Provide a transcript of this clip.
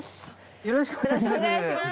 よろしくお願いします